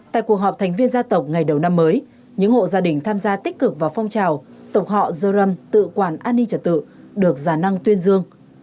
tại cuộc họp thành viên gia tộc ngày đầu năm mới những hộ gia đình tham gia tích cực vào phong trào tổng họ dơ râm tự quản an ninh trật tự được giả năng tuyên dương